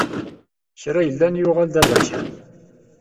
Kra yellan yuɣal d aberkan.